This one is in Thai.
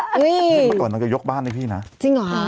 เห็นเมื่อก่อนมันก็ยกบ้านให้พี่นะจริงหรอ